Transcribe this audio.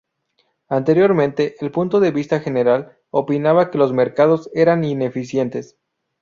Anteriormente, el punto de vista general opinaba que los mercados eran ineficientes.